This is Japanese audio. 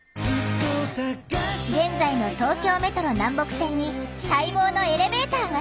現在の東京メトロ南北線に待望のエレベーターが設置。